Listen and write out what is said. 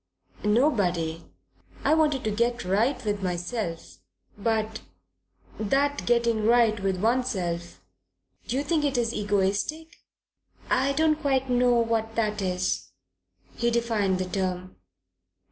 "Nobody. I wanted to get right with myself. But that getting right with oneself do you think it egotistic?" "I don't quite know what that is." He defined the term.